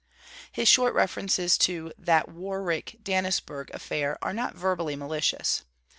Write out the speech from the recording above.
His short references to 'that Warwick Dannisburgh affair' are not verbally malicious.